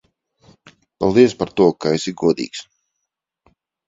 Paldies par to, ka esi godīgs.